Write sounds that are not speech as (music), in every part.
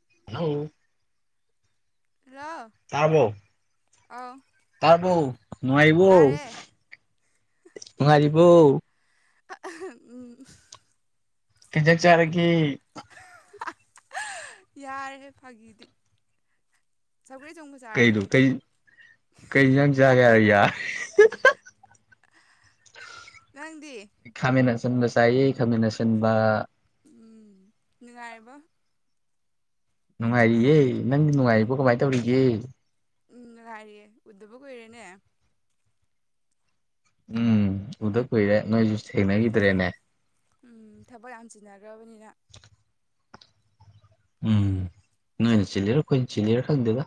(unintelligible) hello ꯇꯥꯔꯕꯣ ꯑꯧ ꯇꯥꯔꯕꯣ ꯅꯨꯉꯥꯏꯔꯤꯕꯣ ꯇꯥꯔꯦ ꯅꯨꯉꯥꯏ ꯕꯣ ꯎꯝ ꯀꯩ ꯏꯟꯖꯥꯡ ꯆꯥꯔꯒꯦ ꯌꯥꯔꯦ ꯐꯒꯤꯗꯤ ꯀꯩꯗꯣ ꯀꯩ ꯀꯩꯩ ꯍꯤꯟꯖꯥꯡ ꯆꯥꯒꯦ ꯍꯥꯏꯔꯒ ꯌꯥꯔꯦ ꯅꯪꯗꯤ ꯈꯥꯃꯦꯟ ꯑꯁꯤꯟꯕ ꯆꯥꯏꯌꯦ ꯈꯥꯃꯦꯟ ꯑꯁꯤꯟꯕ ꯎꯝ ꯅꯨꯡꯉꯥꯏꯔꯤꯕꯣ ꯅꯨꯡꯉꯥꯏꯔꯤꯌꯦ ꯅꯪꯗꯤ ꯅꯨꯡꯉꯥꯏꯔꯤꯕꯣ ꯀꯃꯥꯏ ꯇꯧꯔꯤꯒꯦ ꯎꯝ ꯅꯨꯉꯥꯏꯔꯤꯌꯦ ꯎꯗꯕ ꯀꯨꯏꯔꯦꯅꯦ ꯎꯝ ꯎꯗ ꯀꯨꯏꯔꯦ ꯅꯣꯏꯁꯨ ꯊꯦꯡꯅꯈꯤꯗ꯭ꯔꯦꯅꯦ ꯎꯝ ꯊꯕꯛ ꯌꯥꯝ ꯆꯤꯟꯅꯈ꯭ꯔꯕꯅꯤꯅ ꯎꯝ ꯅꯣꯏꯅ ꯆꯤꯜꯂꯤꯔ ꯈꯣꯏꯅ ꯆꯤꯜꯂꯤꯔ ꯈꯪꯗꯦꯗ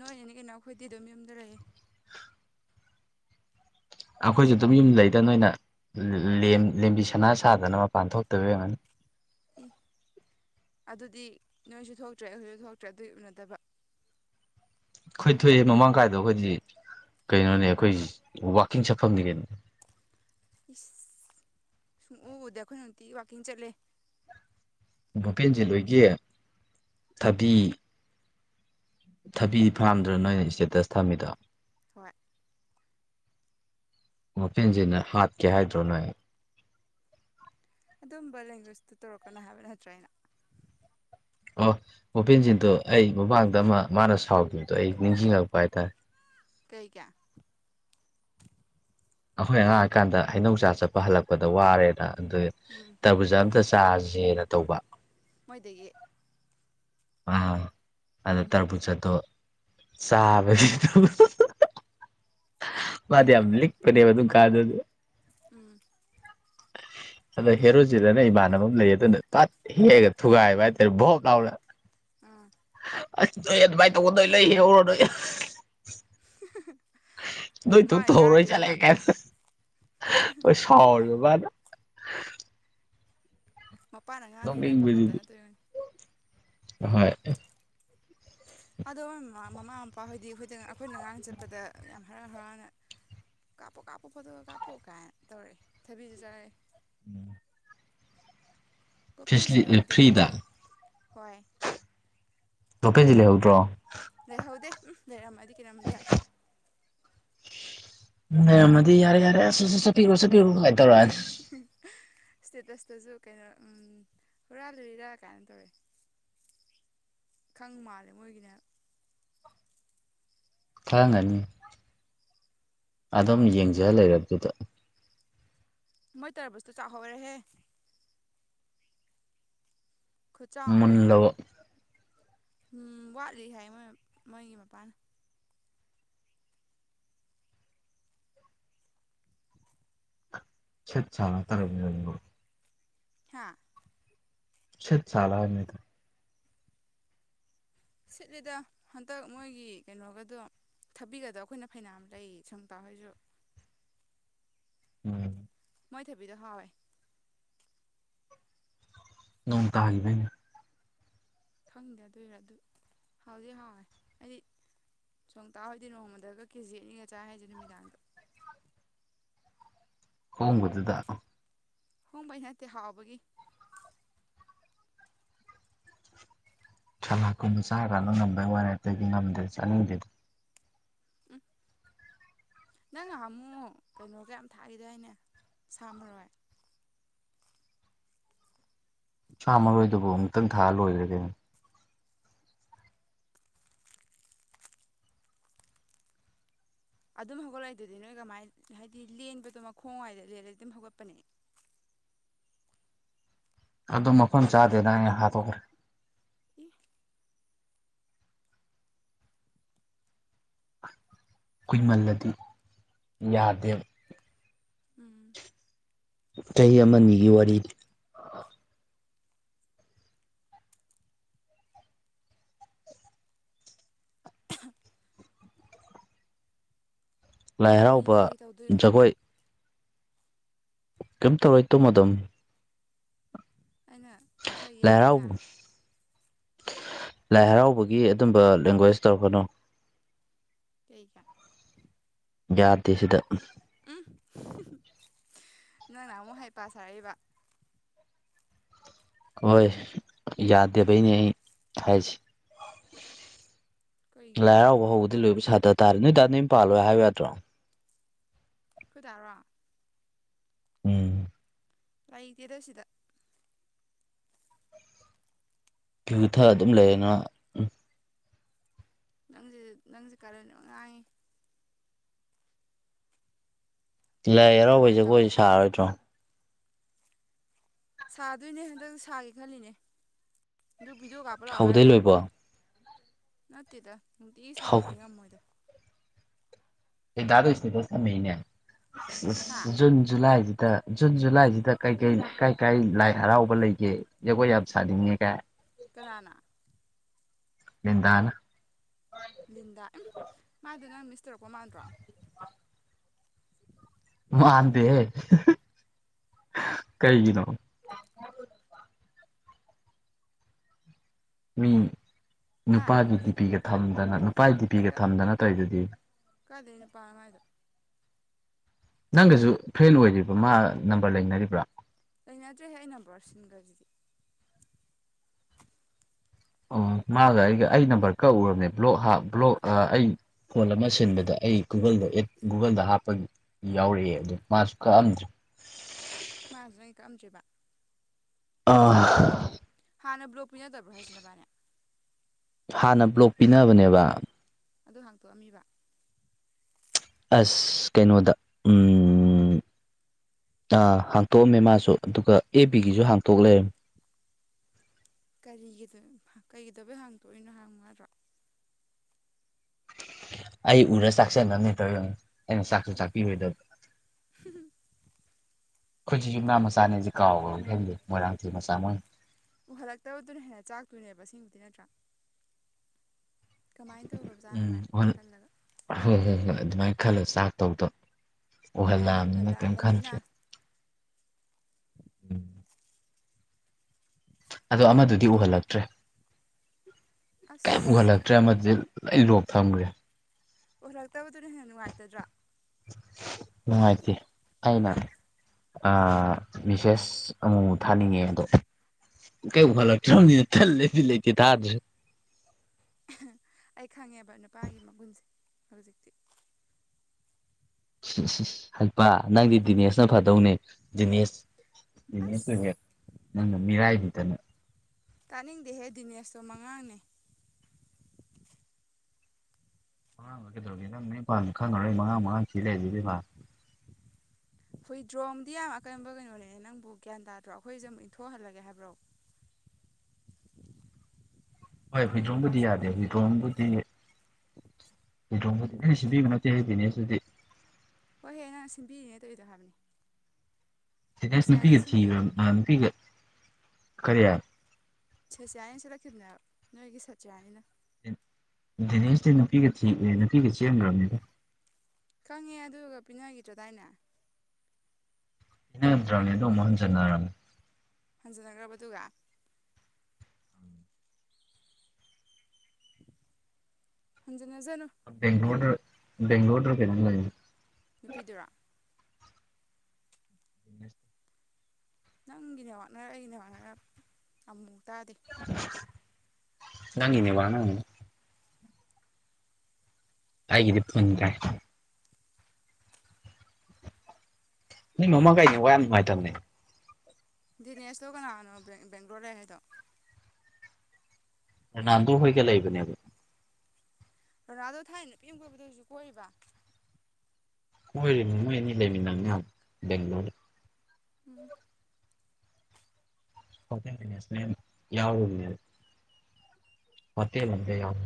ꯅꯣꯏꯅꯅꯤ ꯀꯩꯅꯣ ꯑꯩꯈꯣꯏꯗꯤ ꯑꯗꯨꯝ ꯌꯨꯝꯗ ꯂꯩꯌꯦ ꯑꯩꯈꯣꯏꯁꯨ ꯑꯗꯨꯝ ꯌꯨꯝ ꯂꯩꯗ ꯅꯣꯏꯅ ꯂꯦꯝꯕꯤ ꯁꯅꯥ ꯁꯥꯗꯅ ꯃꯄꯥꯟ ꯊꯣꯛꯇꯕꯩ ꯑꯣꯏꯔꯝꯒꯅꯤ ꯏ ꯑꯗꯨꯗꯤ ꯅꯣꯏꯁꯨ ꯊꯣꯛꯇ꯭ꯔꯦ ꯑꯩꯈꯣꯏꯁꯨ ꯊꯣꯛꯇ꯭ꯔꯦ ꯑꯗꯨꯒꯤ ꯎꯅꯗꯕ ꯑꯩꯈꯣꯏ ꯊꯣꯛꯑꯦ ꯃꯃꯥꯡ ꯀꯥꯏꯗꯣ ꯑꯩꯈꯣꯏꯗꯤ ꯀꯩꯅꯣꯅꯦ ꯑꯩꯈꯣꯏ ꯋꯥꯀꯤꯡ ꯆꯠꯐꯝꯅꯤ ꯀꯩꯅꯣ ꯁꯨꯡꯎ ꯎꯗꯦ ꯑꯩꯈꯣꯏ ꯅꯨꯡꯇꯤꯒꯤ ꯋꯥꯛꯀꯤꯡ ꯆꯠꯂꯦ ꯚꯣꯄꯦꯟꯖꯤꯠꯂꯣꯏꯒꯤ ꯊꯕꯤ ꯊꯕꯤ ꯐꯥꯝꯗ꯭ꯔꯣ ꯅꯣꯏꯅ ꯏꯁꯇꯦꯇꯁ ꯊꯝꯃꯤꯗꯣ ꯍꯣꯏ ꯕꯣꯄꯦꯟꯖꯤꯠꯅ ꯍꯥꯠꯀꯦ ꯍꯥꯏꯗ꯭ꯔꯣ ꯅꯣꯏ ꯑꯗꯨꯝꯕ ꯂꯦꯡꯒ꯭ꯋꯦꯖ ꯇꯧꯔꯛꯀꯅꯣ ꯍꯥꯏꯕ ꯅꯠꯇ꯭ꯔ ꯑꯩꯅꯥ ꯑꯣ ꯕꯣꯄꯦꯟꯖꯤꯠꯇꯣ ꯑꯩ ꯃꯃꯥꯡꯗ ꯑꯃ ꯃꯥꯅ ꯁꯥꯎꯈꯤꯕꯗꯣ ꯑꯩ ꯅꯤꯡꯁꯤꯡꯉꯛꯄ ꯍꯥꯏꯇꯥꯔꯦ ꯀꯩꯒꯤ ꯑꯩꯈꯣꯏ ꯑꯉꯥꯡꯀꯥꯟꯗ ꯍꯩꯅꯧꯆꯥ ꯆꯠꯄ ꯍꯜꯂꯛꯄꯗ ꯋꯥꯔꯦꯗ ꯑꯗꯨ ꯇꯕꯨꯖ ꯑꯝꯇ ꯆꯥꯔ ꯁꯤꯦꯅ ꯇꯧꯕ ꯃꯣꯏꯗꯒꯤꯗꯒꯤ ꯑ ꯑꯗꯣ ꯎꯝ ꯇꯔꯕꯨ ꯆꯠꯇꯣ ꯁꯥꯕ ꯃꯥꯗꯤ ꯀꯩꯗꯩꯅꯣꯕ ꯌꯥꯝꯂꯤ ꯐꯔꯕꯗꯨ ꯀꯥꯗ ꯑꯗꯨ ꯎꯝ ꯑꯗ ꯍꯦꯔꯣꯖꯤꯠꯅ ꯏꯃꯥꯟꯅꯕ ꯑꯃ ꯂꯩ ꯑꯗꯨꯅ ꯄꯠ ꯍꯦꯛꯒ ꯊꯨꯒꯥꯏꯕ ꯍꯥꯏꯇꯥꯔꯦ ꯚꯣꯞ ꯂꯥꯎꯔ ꯎꯝ ꯑ ꯥꯏ ꯇ ꯀꯣꯟꯗ ꯂꯩꯔꯣꯗ ꯍ ꯅꯣꯏ ꯇꯨꯡ ꯊ ꯍꯔꯣꯏ ꯆꯂ ꯀ ꯁ ꯋꯥꯗ ꯃꯄꯥꯟꯅ ꯉꯥꯅꯤꯅ ꯄꯥꯈꯠꯇꯅꯠꯇꯣꯏꯅꯤ ꯑꯣꯏ ꯑꯗꯣ ꯃꯃꯥ ꯃꯄꯥ ꯍꯣꯏꯗꯤ ꯑꯩꯈꯣꯏꯗ ꯑꯩꯈꯣꯏꯅ ꯉꯔꯥꯡ ꯆꯠꯄꯗ ꯌꯥꯝ ꯍꯔꯥꯎ ꯍꯔꯥꯎꯅ ꯀꯥꯞꯄꯨ ꯀꯥꯞꯄꯨ ꯐꯣꯇꯣ ꯀꯥꯞꯄꯣ ꯀꯥꯏꯅ ꯇꯧꯔꯛꯑꯦ ꯊꯥꯕꯤꯁꯨ ꯆꯥꯔꯛꯑꯦ ꯎꯝ ꯒꯣꯔꯃꯦꯟꯁꯤ ꯐꯂꯤ ꯈꯔꯕꯨꯗꯤ ꯐ꯭ꯔꯤꯗ ꯂꯤꯛꯆꯕꯅꯤ ꯍꯣꯏ ꯂꯣꯀꯦꯗꯤ ꯂꯩꯍꯧꯗ꯭ꯔꯣ ꯂꯩꯍꯧꯗꯦ ꯎꯝ ꯂꯩꯔꯝꯃ ꯑꯗꯨꯗꯤ ꯀꯩꯅꯃꯗꯤ ꯍꯥꯏꯔꯛꯀꯥꯅꯤ ꯂꯩꯔꯝꯗꯤ ꯌꯥꯔꯦ ꯌꯥꯔꯦ ꯆꯠꯄꯤꯈꯔꯣ ꯀꯥꯏ ꯇꯧꯔꯛ ꯑꯅꯤ ꯏꯁꯇꯦꯇꯁꯇꯁꯨ ꯀꯩꯅꯣ ꯍꯨꯔꯥꯜꯂꯨꯔꯤꯗ ꯀꯥꯏꯅ ꯇꯧꯋꯦ ꯈꯪ ꯃꯥꯜꯂꯦ ꯃꯣꯏꯒꯤꯅ ꯈꯪꯉꯅꯤ ꯑꯗꯨꯝ ꯌꯦꯡꯖ ꯂꯩꯔꯕꯗꯨꯗ ꯃꯣꯏ ꯇꯔꯕꯨꯁꯇꯨ ꯆꯥꯍꯧꯔꯦꯍꯦ ꯈꯨꯠꯆꯥꯎ ꯑꯃꯅꯤ ꯃꯨꯜꯂꯕ ꯎꯝ ꯋꯥꯠꯂꯤ ꯍꯥꯏ ꯃꯣꯏ ꯃꯣꯏꯒꯤ ꯃꯄꯥꯅ ꯁꯤꯠ ꯁꯥꯠꯂꯣ ꯇꯔꯕꯨꯖꯗꯨꯕꯣ ꯍꯥꯥ ꯁꯤꯠ ꯆꯂꯥꯅꯤꯗ ꯁꯤꯠꯂꯤꯗ ꯍꯟꯗꯛ ꯃꯣꯏꯒꯤ ꯀꯩꯅꯣꯒꯗꯣ ꯊꯥꯕꯤꯒꯗꯣꯕ ꯑꯩꯈꯣꯏꯅ ꯐꯩꯅꯥꯝ ꯂꯩ ꯁꯨꯡ ꯇꯥꯎꯍꯣꯏꯁꯨ ꯎꯝ ꯃꯣꯏ ꯊꯕꯤꯗꯣ ꯍꯥꯎꯋꯦ ꯅꯣꯡꯃꯇꯒꯤ ꯍꯥꯏꯕꯅꯦ ꯈꯪꯗꯦ ꯑꯗꯨꯏꯔ ꯑꯗꯨ ꯍꯥꯎꯗꯤ ꯍꯥꯎꯋꯦ ꯑꯩꯗꯤ ꯁꯝ ꯇꯥꯍꯣꯏꯗꯤ ꯅꯣꯡꯃꯗꯒ ꯀꯦꯖꯤ ꯑꯅꯤꯒ ꯆꯥꯏ ꯍꯥꯏꯁꯦ ꯅꯨꯃꯤꯗꯥꯡꯗ ꯍꯣꯡꯕꯗꯨꯗ ꯍꯣꯡꯕꯩ ꯅꯠꯇꯦ ꯍꯥꯎꯕꯒꯤ ꯁꯂꯥꯛ ꯀꯨꯝꯕ ꯆꯥꯔꯀꯥꯟꯅ ꯉꯝꯕꯩ ꯋꯥꯔꯦ ꯑꯇꯩꯗꯤ ꯉꯝꯗꯦ ꯆꯥꯅꯤꯡꯗꯦꯗ ꯎꯝ ꯅꯪ ꯉ ꯍꯥꯝꯃꯛꯑꯣ ꯀꯩꯅꯣꯒꯌꯥꯝ ꯊꯥꯛꯏꯗ ꯍꯥꯏꯅꯦ ꯁꯥꯝꯃꯔꯣꯏ ꯁꯥꯝꯃꯔꯣꯏꯗꯨꯕꯨ ꯑꯃꯨꯛꯇꯪ ꯊꯥꯑ ꯂꯣꯏꯔꯒꯦ ꯑꯗꯨꯝ ꯍꯧꯒꯠꯂꯛꯏ ꯏꯗꯨꯗꯤ ꯅꯣꯏ ꯀꯃꯥꯏꯅ ꯍꯥꯏꯗꯤ ꯂꯦꯟꯕꯗꯣ ꯃꯈꯣꯡ ꯍꯥꯏꯏꯗ ꯂꯦꯜꯂꯗꯤ ꯑꯗꯨꯝ ꯍꯧꯒꯠꯄꯅꯦ ꯑꯗꯨ ꯃꯐꯝ ꯆꯥꯗꯦꯅ ꯑꯩ ꯅ ꯍꯥꯠꯇꯣꯛꯈ꯭ꯔꯦ ꯏ ꯀꯨꯏꯃꯜꯂꯗꯤ ꯌꯥꯗꯦꯕ ꯎꯝ ꯆꯍꯤ ꯑꯃꯅꯤꯒꯤ ꯋꯥꯔꯤꯅꯤ ꯂꯥꯏ ꯀꯔꯤ ꯍꯔꯥꯎꯕ ꯀꯔꯤ ꯇꯧꯗꯣꯏꯅꯣ ꯖꯒꯣꯏ ꯀꯩꯝ ꯇꯧꯔꯏ ꯇꯨꯝꯃꯗꯝꯅꯤ ꯑꯩꯅ ꯈꯔ ꯂꯥꯏ ꯌꯦꯠꯂꯦꯅꯦꯍꯥ ꯍꯔꯥꯎꯕ ꯂꯥꯏ ꯍꯔꯥꯎꯕꯒꯤ ꯑꯗꯨꯝꯕ ꯂꯦꯡꯒ꯭ꯋꯦꯁ ꯇꯧꯔꯛꯀꯅꯨ ꯂꯩ ꯀ (unintelligible) ꯌꯥꯗꯦ ꯁꯤꯗ ꯅꯪ ꯅ ꯑꯃꯨꯛ ꯍꯩ ꯄꯥ ꯁꯥꯔꯛꯏꯕ ꯍꯣꯏ ꯌꯥꯗꯦꯕꯩꯅꯦ ꯑꯩ ꯍꯥꯏꯁꯤ ꯀꯩꯒꯤꯅꯣ ꯂꯥꯏꯍꯔꯥꯎꯕ ꯍꯧꯕꯗꯤ ꯂꯣꯏꯕ ꯁꯥꯇ ꯇꯥꯔꯦ ꯅꯣꯏ ꯇꯥ ꯅꯌꯨꯝ ꯄꯥꯜꯂꯣꯏ ꯍꯥꯏꯌꯨ ꯌꯥꯗ꯭ꯔꯣ ꯈꯣꯏꯗꯥꯔꯣ ꯎꯝ ꯂꯩꯇꯦꯗ ꯁꯤꯗ ꯌꯨꯊꯛ ꯑꯥ ꯑꯗꯨꯝ ꯂꯩꯅ ꯎꯝ ꯅꯪꯁ ꯅꯪꯁꯦ ꯀꯔꯟ ꯌꯥꯝ ꯉꯥꯡꯉꯤ ꯂꯥꯏ ꯍꯔꯥꯎꯕꯩ ꯀꯃꯥꯏ ꯇꯧꯅꯤ ꯖꯒꯣꯏꯁꯨ ꯁꯥꯔꯣꯏꯗ꯭ꯔꯣ ꯁꯥꯗꯣꯏꯅꯦ ꯍꯟꯗꯛ ꯁꯥꯒꯦ ꯈꯜꯂꯤꯅꯦ ꯑꯗꯨ ꯚꯗꯤꯑꯣ ꯀꯥꯞꯄ ꯂꯥꯛꯑꯣ ꯍꯧꯗꯩ ꯍꯥꯏꯔꯒ ꯂꯣꯏꯕꯧ ꯅꯠꯇꯦꯗ ꯅꯨꯡꯇꯤ ꯍꯧ ꯁꯥꯕꯗꯤ ꯉꯝꯃꯣꯏꯗ ꯅꯣꯏꯗꯥꯗꯣ ꯏꯁꯇꯦ ꯇꯁ ꯊꯃꯛꯏꯅꯦ ꯍꯥ ꯎ ꯖꯨꯟ ꯖꯨꯂꯥꯏ ꯗꯤ ꯇ ꯖꯨꯟ ꯖꯨꯂꯥꯏꯁꯤꯗ ꯀꯩ ꯀꯩ ꯀꯥꯏ ꯀꯥꯏ ꯂꯥꯏ ꯍꯔꯥꯎꯕ ꯂꯩꯒꯦ ꯖꯒꯣꯏ ꯌꯥꯝ ꯁꯥꯅꯤꯡꯉꯦꯒ ꯀꯅꯥꯅꯥ ꯦꯟꯗꯥꯅ ꯂꯤꯟꯗ ꯑꯝ ꯃꯥꯗꯨ ꯅꯪ ꯃꯤꯁ ꯇꯧꯔꯛꯄ ꯃꯥꯟꯗꯔꯣ ꯃꯥꯟꯗꯦꯍꯦ ꯀꯩꯒꯤꯅꯣ ꯃꯤ ꯍꯥ ꯅꯨꯄꯥꯒꯤ ꯗꯤꯄꯤꯒ ꯊꯝꯒ ꯆꯣ (unintelligible) ꯏ ꯄꯥꯏꯗꯤ ꯗꯤꯄꯤꯒ ꯊꯝꯗꯅ ꯇꯩ ꯗꯨꯗꯤ ꯗꯩ ꯄꯥꯅꯣ ꯃꯥꯏꯗꯣ ꯅꯪꯒꯁꯨ ꯐ꯭ꯔꯦꯟ ꯑꯣꯏꯔꯤꯕ ꯃꯥ ꯅꯝꯕꯔ ꯂꯩꯅꯔꯤꯕ꯭ꯔꯥ ꯂꯩꯅꯗ꯭ꯔꯦꯍꯦ ꯑꯩ ꯅꯝꯕꯔ ꯁꯤꯟꯈ꯭ꯔꯖꯤꯗꯤ ꯑꯣ ꯃꯥꯒ ꯑꯩꯒ ꯑꯩ ꯅꯝꯕꯔ ꯀꯛꯎꯔꯕꯅꯦ ꯕ꯭ꯂꯣꯛ ꯍꯥ ꯕ꯭ꯂꯣꯛ ꯑꯩ ꯐꯣꯟ ꯑꯃ ꯁꯤꯟꯕꯗ ꯑꯩ ꯒꯨꯒꯜꯗ ꯑ ꯦꯗ ꯒꯨꯒꯜꯗ ꯍꯥꯞꯄꯒꯤ ꯌꯥꯎꯔꯛꯑꯦ ꯎꯝ ꯑꯗꯨꯗ ꯃꯥꯁꯨ ꯀꯛꯑꯝꯗ꯭ꯔꯦ ꯃꯥꯁꯨ ꯅꯪ ꯀꯛꯑꯝꯗ꯭ꯦꯔꯤꯕ ꯑ ꯍꯥꯟꯅ ꯕ꯭ꯂꯣꯛꯄꯤꯤ ꯅꯠꯇꯕ꯭ꯔꯣ ꯍꯥꯏꯁꯤꯅꯕꯅꯤ ꯍꯥꯟꯅ ꯕ꯭ꯂꯣꯛ ꯄꯤꯅꯕꯅꯦꯕ ꯑꯗꯨ ꯍꯥꯡꯇꯣꯛꯑꯝꯃꯤꯕ ꯑꯁ ꯀꯩꯅꯣꯗ ꯍꯥꯡꯇꯣꯛꯑꯝꯃꯦ ꯃꯥꯁꯨ ꯑꯗꯨꯒ ꯑꯦ ꯕꯤꯒꯤꯁꯨ ꯍꯥꯡꯇꯣꯛ ꯂꯩꯔꯝ ꯀꯔꯤꯒꯤꯗ ꯀꯔꯤꯒꯤꯗꯕꯩ ꯍꯥꯡꯇꯣꯛꯏꯅꯣ ꯍꯥꯡꯉ꯭ꯔꯣ ꯑꯏ ꯎꯔ ꯁꯥꯥꯛꯁ ꯅꯅꯤꯇ ꯑꯩꯅ ꯆꯀꯨ ꯆꯄꯤ ꯂꯗ ꯑꯩꯈꯣꯏꯁꯤ ꯌꯨꯛꯅꯥ ꯃꯆꯥꯅꯦꯁꯦ ꯀꯥꯎꯕꯝ ꯈꯦꯜꯗꯦ ꯃꯣꯏꯔꯥꯡꯊꯤ ꯃꯆꯥ ꯃꯣꯏ ꯎꯍꯜꯂꯛꯇꯕꯗꯨꯅ ꯍꯦꯟꯅ ꯆꯥꯛꯇꯣꯏꯅꯦꯕ ꯁꯤꯕꯨꯗꯤ ꯅꯠꯇ꯭ꯔꯥ ꯀꯃꯥꯏꯅ ꯇꯧꯕ꯭ꯔꯣ ꯎꯝ ꯕꯖꯥꯠꯅꯣꯒꯥꯏ ꯍꯣꯏ ꯈꯜꯂꯒ ꯍꯣꯏ ꯍꯣꯏ ꯍꯣꯏ ꯑꯗꯨꯃꯥꯏꯅ ꯈꯜꯂꯣ ꯆꯥꯛꯇꯧꯗꯣ ꯃꯥꯅ ꯎꯍꯜꯂꯑꯅꯤꯅ ꯀꯔꯤꯝ ꯎꯍꯜꯂꯛꯑꯕꯅꯤꯅ ꯈꯟꯗ꯭ꯔꯦ ꯎꯝ ꯑꯗꯣ ꯑꯃꯗꯨꯗꯤ ꯎꯍꯜꯂꯛꯇ꯭ꯔꯦ ꯀ ꯑꯁ ꯋꯥꯂ ꯀꯌꯥ ꯇ꯭ꯔ ꯃꯦ ꯂꯣ ꯊꯝꯈꯒ꯭ꯔꯦ ꯑꯣꯏꯜꯂꯛꯇꯕꯗꯨꯅ ꯍꯦꯟꯅ ꯅꯨꯡꯉꯥꯏꯇꯗ꯭ꯔꯥ ꯅꯨꯡꯉꯥꯏꯇꯦ ꯑꯩꯅ ꯃꯤꯁꯦꯁ ꯑꯃ ꯊꯥꯅꯤꯡꯉꯦ ꯑꯗꯣ ꯀꯩꯨ ꯍꯜꯂꯛꯇ꯭ꯔꯕꯅꯤꯅ ꯂꯩꯇꯗꯤ ꯂꯩꯇꯦ ꯊꯥꯗ꯭ꯔꯁꯨ ꯑꯩ ꯈꯪꯉꯦꯕ ꯅꯨꯄꯥꯒꯤ ꯃꯒꯨꯟꯁꯦ ꯍꯧꯖꯤꯛꯇꯤ ꯍꯜꯄꯥ ꯅꯪꯗꯤ ꯗꯤꯅꯦꯁꯅ ꯐꯗꯧꯅꯦ ꯗꯤꯅꯦꯁ ꯁꯨ ꯑꯁ ꯅꯪꯅ ꯃꯤꯔꯥꯏꯕꯤꯇꯅ ꯇꯥꯅꯤꯡꯗꯦꯍꯦ ꯗꯤꯅꯦꯁꯇꯣ ꯃꯉꯥꯡꯅꯦ ꯃꯉꯥꯡꯛꯀꯩꯗꯧꯅꯤ ꯅꯪ ꯅꯣꯏ ꯄꯥꯅꯤ ꯈꯪꯉꯔꯣꯏ ꯃꯉꯥ ꯃꯉꯥ ꯊꯤ ꯂꯩ ꯑꯗꯨꯗꯤꯥ ꯍꯨꯣꯏ ꯗ꯭ꯔꯣꯝꯗꯤ ꯌꯥꯝ ꯑꯀꯟꯕ ꯀꯩꯅꯣꯅꯦ ꯅꯪꯕꯨ ꯒ꯭ꯌꯥꯟ ꯇꯥꯗ꯭ꯔꯣ ꯑꯩꯈꯣꯏꯁꯦ ꯑꯃꯨꯛ ꯏꯟꯊꯣꯛꯍꯜꯂꯒꯦ ꯍꯥꯏꯕ꯭ꯔꯣ ꯍꯣꯏ ꯅꯪꯅ ꯅꯨꯄꯥ ꯍꯨꯏꯗ꯭ꯔꯣꯝꯕꯨꯗꯤ ꯌꯥꯗꯦ ꯁꯤꯟꯕꯤꯅꯦꯅ ꯍꯨꯏꯗ꯭ꯔꯣꯝꯕꯨꯗꯤ ꯍꯨꯏꯗ꯭ꯔꯣꯡꯝꯕꯨꯗꯤ ꯑꯩꯅ ꯁꯤꯕꯤꯕ ꯅꯠꯇꯦ ꯍꯩꯕꯤꯅꯦ ꯑꯗꯨꯗꯤ ꯍ ꯅꯪ ꯁꯤꯟꯕꯤꯔꯤꯉꯩ ꯇꯧꯔꯤꯗꯣ ꯍꯥꯏꯕꯅꯤ ꯦꯁ ꯁꯆꯤꯌꯥꯅꯤꯅ ꯅꯨꯄꯤꯒ ꯊꯕ ꯁꯤꯟꯈꯤꯕꯅꯦ ꯅꯨꯄꯤꯒ ꯀꯔꯤ ꯍꯥꯏ ꯁꯦ ꯆꯌꯥꯌꯦ ꯁꯤꯂ ꯀꯈꯤꯗꯅꯦ ꯅꯣꯏꯒꯤ ꯁ ꯆꯦꯌꯥꯅꯤꯅ ꯅꯦꯁꯗꯤ ꯅꯨꯄꯤꯒ ꯊ ꯅꯨꯄꯤꯒꯤ ꯆ ꯑꯃꯒꯅꯦꯗ ꯈꯪꯉꯦ ꯑꯗꯨꯒ ꯄꯤꯅꯈꯤꯗ꯭ꯔꯣꯗꯥꯏꯅꯦ ꯏꯅꯗ꯭ꯔꯗꯣ ꯃꯣꯍꯟ ꯆꯟꯗꯔꯝ ꯍꯟꯖꯤꯅꯈ꯭ꯔꯕ ꯑꯗꯨꯒ ꯍꯟꯖꯤꯟꯅꯖꯅꯨ ꯕꯦꯡ꯭ꯂꯣꯔ ꯕꯦꯡꯂꯨꯔ ꯀ ꯅꯨꯄꯤꯗꯨꯔꯥ ꯅꯪꯒꯤ ꯅꯦꯠꯋꯥꯚꯅꯔ ꯑꯩꯒꯤ ꯅꯦꯠꯋꯥꯛꯅꯔ ꯑꯃꯨ ꯇꯥꯥꯗꯦ ꯅꯪꯒꯤ ꯅꯦꯠꯋꯥꯛꯅ ꯑꯩꯩꯒꯤꯗꯤ ꯐꯨꯟ ꯀꯥꯏ ꯅꯣꯏ ꯃꯃꯥꯡꯀꯥꯏ ꯅꯦꯠꯋꯥꯛ ꯌꯥꯝꯅꯨꯡꯉꯥꯏꯇꯝꯅꯦ ꯗꯤꯅꯦꯁꯇꯣ ꯀꯅꯥꯒꯅꯣ ꯕꯦꯡ ꯕꯦꯡꯒ꯭ꯂꯣ ꯂꯩ ꯍꯥꯏꯗꯣ ꯔꯣꯅꯥꯜꯗꯣ ꯍꯣꯏꯒ ꯂꯩꯕꯅꯦꯕ ꯔꯣꯅꯥꯜꯗꯣ ꯊꯥꯏꯅ ꯅꯨꯄꯤ ꯑꯃ ꯀꯣꯏꯕꯗꯣ ꯍꯨꯖꯤꯛꯁꯨ ꯀꯣꯏꯔꯤꯕ ꯀꯣꯏꯔꯤꯝꯅꯦ ꯃꯣꯏꯅꯤ ꯂꯩꯃꯤꯟꯅꯝꯅꯦ ꯑꯥꯗ ꯕꯦꯡꯒ꯭ꯂꯣ ꯗ ꯎꯝ ꯍꯣꯇꯦꯜ ꯃꯦꯅꯦꯁꯃꯦꯟ ꯌꯥꯎꯔꯨꯝꯅꯦꯕ ꯍꯣꯇꯦꯜ ꯑꯝꯗ ꯌꯥꯎ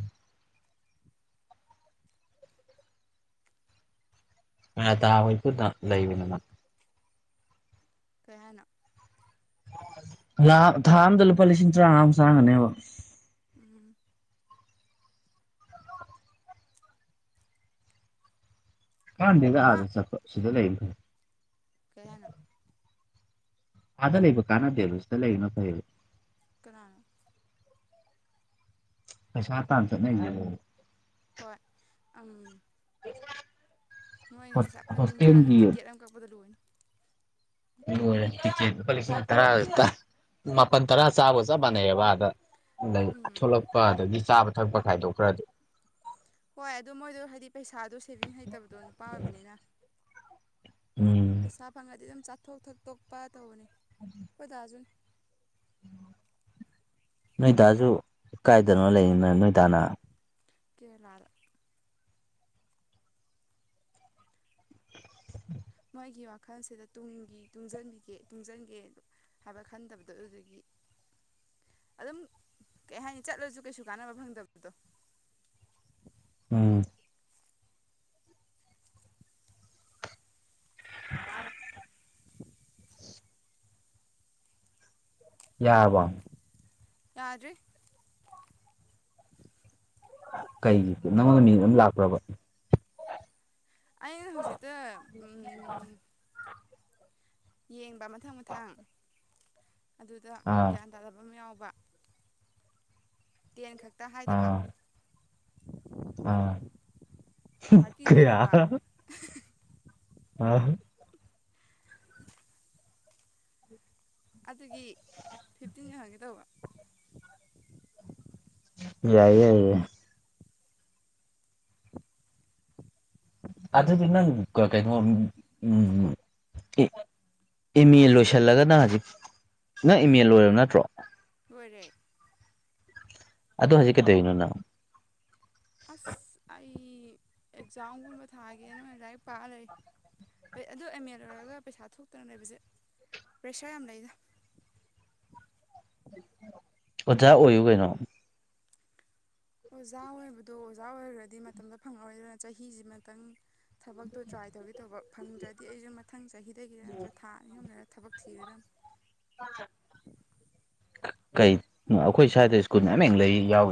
ꯃꯌꯥꯇꯥ ꯍꯣꯏ ꯄꯨꯟꯅ ꯂꯩꯕꯅꯦ ꯃꯣꯏ ꯀꯩ ꯍꯥꯏꯅꯣ ꯂꯥ ꯊꯥ ꯑꯝꯗ ꯂꯨꯄꯥ ꯂꯤꯁꯤꯡ ꯇꯔꯥꯉꯥꯃꯨꯛ ꯆꯥꯔꯝꯒꯅꯦꯕ ꯎꯝ ꯀꯥꯟꯗꯦꯗ ꯃꯥ ꯑꯥꯗ ꯆꯠꯄ ꯁꯤꯗ ꯂꯩꯕꯅ ꯐꯩ ꯀꯩ ꯍꯥꯏꯅꯣ ꯑꯥꯗ ꯂꯩꯕ ꯀꯥꯟꯅꯗꯦꯕ ꯁꯤꯗ ꯂꯩꯕꯅ ꯐꯩꯌꯦꯕ ꯀꯅꯥꯅꯣ ꯄꯩꯁꯥ ꯇꯥꯟ ꯆꯠꯅꯩꯖꯤꯕꯣ ꯍꯣꯏ ꯎꯝ ꯅꯣꯏꯅ ꯄꯩꯁꯥ ꯐꯖꯅ ꯇꯨꯡꯖꯜꯂꯖꯨ ꯍꯣꯁꯇꯦꯜꯒꯤ ꯇꯤꯀꯦꯠ ꯑꯃ ꯀꯛꯄꯗ ꯂꯣꯏꯅꯤ ꯂꯣꯏꯔꯦ ꯇꯤꯛꯀꯦꯠ ꯂꯨꯄꯥ ꯂꯤꯁꯤꯡ ꯇꯔꯥ ꯇ ꯃꯥꯄꯟ ꯇꯔꯥ ꯆꯥꯕꯒ ꯆꯞ ꯃꯥꯟꯅꯩꯌꯦꯕ ꯑꯥꯗ ꯑꯗꯩ ꯎꯝ ꯊꯣꯛꯂꯛꯄ ꯑꯗꯒꯤ ꯆꯥꯕ ꯊꯛꯄ ꯈꯥꯏꯗꯣꯛꯈ꯭ꯔꯗꯤ ꯍꯣꯏ ꯑꯗꯨ ꯃꯣꯏꯗꯣ ꯍꯥꯏꯗꯤ ꯄꯩꯁꯥꯗꯣ ꯁꯦꯚꯤꯡ ꯍꯩꯇꯕꯗꯣ ꯅꯨꯄꯥ ꯑꯣꯏꯕꯅꯤꯅ ꯎꯝ ꯄꯩꯁꯥ ꯐꯪꯉꯗꯤ ꯑꯗꯨꯝ ꯆꯥ ꯊꯣꯛ ꯊꯛꯇꯣꯛꯄ ꯇꯧꯕꯅꯤ ꯈꯣꯏ ꯗꯥꯖꯨꯅꯤ ꯅꯣꯏꯗꯥꯖꯨ ꯀꯥꯏꯗꯅꯣ ꯂꯩꯔꯤꯅ ꯅꯣꯏꯗꯥꯅ ꯀꯦꯔꯂꯥꯗ ꯑꯩꯒꯤ ꯋꯥꯈꯜꯁꯤꯗ ꯇꯨꯡꯒꯤ ꯇꯨꯡꯖꯟꯕꯤꯒꯦ ꯇꯨꯡꯖꯟꯒꯦ ꯍꯥꯏꯕ ꯈꯟꯗꯕꯗꯣ ꯑꯗꯨꯗꯨꯒꯤ ꯑꯗꯨꯝ ꯀꯩ ꯍꯥꯏꯅꯤ ꯆꯠꯂꯁꯨ ꯀꯩꯁꯨ ꯀꯥꯟꯅꯕ ꯐꯪꯗꯕꯗꯣ ꯎꯝ (unintelligible) ꯌꯥꯔꯕꯣ ꯌꯥꯗ꯭ꯔꯤ ꯀꯩꯒꯤ ꯅꯪꯉꯣꯟꯗ ꯃꯤꯡ ꯑꯝ ꯂꯥꯛꯄ꯭ꯔꯕ ꯑꯩꯅ ꯍꯧꯖꯤꯛꯇ ꯎꯝ ꯌꯦꯡꯕ ꯃꯊꯪ ꯃꯊꯪ ꯑꯗꯨꯗ ꯑꯥ ꯒ꯭ꯌꯥꯟ ꯇꯥꯗꯕ ꯑꯃ ꯌꯥꯎꯕ ꯇꯦꯟ ꯈꯛꯇ ꯍꯥꯏꯗꯕ ꯑꯥ ꯍꯝ ꯊꯥꯔꯇꯤꯗꯩ ꯀꯌꯥ ꯍꯧꯕ ꯑ (unintelligible) ꯑꯗꯨꯒꯤ ꯐꯤꯐꯇꯤꯟ ꯌꯦꯡꯉꯒꯦ ꯇꯧꯕ ꯌꯥꯏꯌꯦꯦ ꯌꯥꯏꯌꯦ ꯑꯗꯨꯗꯤ ꯅꯪ ꯀ ꯀꯩꯅꯣ ꯎꯝ ꯏ ꯑꯦꯝ ꯍꯥ ꯑꯦ ꯂꯣꯏꯁꯤꯜꯂꯒꯅ ꯍꯧꯖꯤꯛ ꯅꯪ ꯑꯦꯝ ꯑꯦ ꯂꯣꯏꯔꯕ ꯅꯠꯇ꯭ꯔꯣ ꯂꯣꯏꯔꯦ ꯑꯗꯨ ꯍꯧꯖꯤꯛ ꯀꯩꯗꯧꯏꯅꯣ ꯅꯪ ꯑꯁ ꯑꯩ ꯑꯦꯛꯖꯥꯝꯒꯨꯝꯕ ꯊꯥꯒꯦꯅ ꯂꯥꯏꯔꯤꯛ ꯄꯥꯛꯑ ꯂꯩ ꯑꯗꯨ ꯑꯦꯝ ꯑꯦ ꯂꯣꯏꯔꯒ ꯄꯩꯁꯥ ꯊꯣꯛꯇꯅ ꯂꯩꯕꯁꯦ ꯄ꯭ꯔꯦꯁꯔ ꯌꯥꯝ ꯂꯩꯗ ꯑꯣꯖꯥ ꯑꯣꯏꯌꯨ ꯀꯩꯅꯣ ꯑꯣꯖꯥ ꯑꯣꯏꯕꯗꯣ ꯑꯣꯖꯥ ꯑꯣꯏꯈ꯭ꯔꯗꯤ ꯃꯇꯝꯗ ꯐꯪꯉꯔꯣꯏꯗꯅ ꯆꯍꯤꯁꯤꯃꯇꯪ ꯊꯕꯛꯇꯨ ꯇ꯭ꯔꯥꯏ ꯇꯧꯔꯤ ꯇꯧꯕ ꯐꯪꯗ꯭ꯔꯗꯤ ꯑꯩꯁꯨ ꯃꯊꯪ ꯃꯊꯪ ꯆꯍꯤꯗꯒꯤ ꯅꯠꯇ꯭ꯔ ꯊꯥ ꯑꯅꯤ ꯑꯍꯨꯝ ꯂꯩꯔ ꯊꯕꯛ ꯊꯤꯔꯗꯝ ꯑ ꯀꯩ ꯎꯝ ꯑꯩꯈꯣꯏ ꯁ꯭ꯋꯥꯏꯗ ꯁ꯭ꯀꯨꯜ ꯃꯌꯥꯝꯃ ꯂꯩ ꯌꯥꯎ